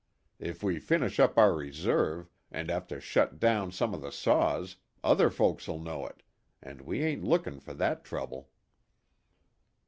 If we finish up our reserve, and have to shut down some o' the saws, other folks'll know it, and we ain't lookin' for that trouble."